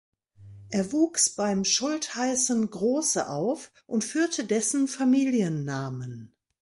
Er wuchs beim Schultheißen Große auf und führte dessen Familiennamen.